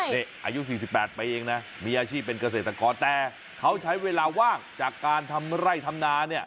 นี่อายุ๔๘ปีเองนะมีอาชีพเป็นเกษตรกรแต่เขาใช้เวลาว่างจากการทำไร่ทำนาเนี่ย